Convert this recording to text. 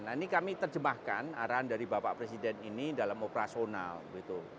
nah ini kami terjemahkan arahan dari bapak presiden ini dalam operasional gitu